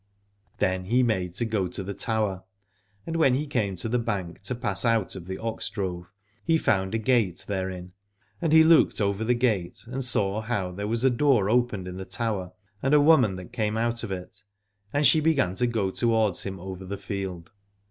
Then he made to go to the tower, and when he came to the bank to pass out of the ox drove he found a gate therein : and he looked over the gate and saw how there was a door opened in the tower, and a woman that came out from it, and she began to go towards him over the field.